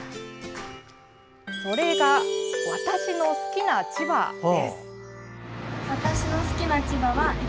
それが「わたしの好きな千葉」です。